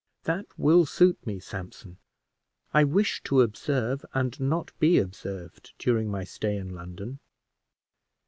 "That will suit me, Sampson: I wish to observe and not be observed, during my stay in London."